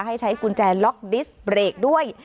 ให้ใช้กุญแจล็อกดิสเบรกด้วย